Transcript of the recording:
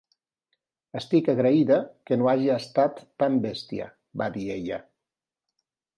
"Estic agraïda que no hagi estat tan bèstia", va dir ella.